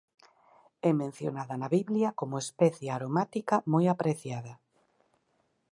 É mencionada na Biblia como especia aromática moi apreciada.